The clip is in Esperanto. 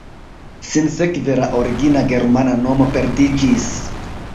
Sinsekve la origina germana nomo perdiĝis.